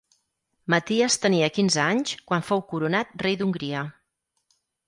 Maties tenia quinze anys quan fou coronat rei d'Hongria.